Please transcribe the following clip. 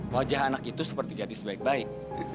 wajah anak itu seperti gadis baik baik